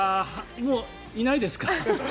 もういないですか？